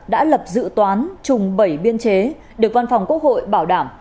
đã lập dự toán trùng bảy biên chế được văn phòng quốc hội bảo đảm